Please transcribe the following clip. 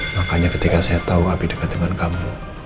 makanya ketika saya tahu api dekat dengan kamu